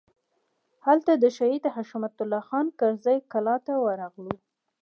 هلته د شهید حشمت الله خان کرزي کلا ته ورغلو.